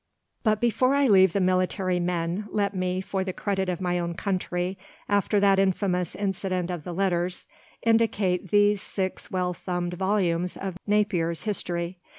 But before I leave the military men let me, for the credit of my own country, after that infamous incident of the letters, indicate these six well thumbed volumes of "Napier's History."